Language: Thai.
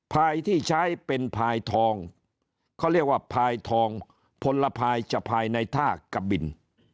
ภายที่ใช้เป็นพายทองเขาเรียกว่าพายทองพลภายจะภายในท่ากะบิน